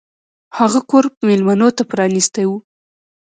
هغه کور میلمنو ته پرانیستی و.